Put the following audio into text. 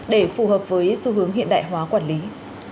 để phù hợp với xu hướng hiện đại hóa quản lý